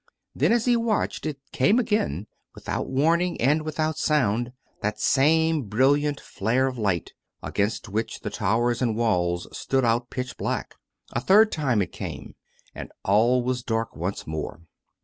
Then, as he watched, it came again, with out warning and without sound — that same brilliant flare of light, against which the towers and walls stood out pitch black. A third time it came, and all was dark once more.